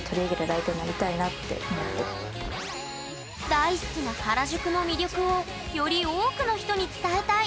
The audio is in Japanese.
大好きな原宿の魅力をより多くの人に伝えたい。